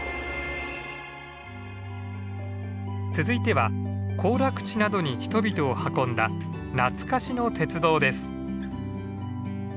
続いては行楽地などに人々を運んだ懐かしの鉄道です。